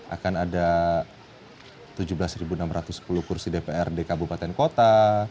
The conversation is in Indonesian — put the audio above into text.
akan ada tujuh belas enam ratus sepuluh kursi dprd kabupaten kota